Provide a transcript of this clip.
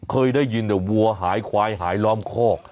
เคยได้ยินแต่วัวหายควายหายล้อมคอก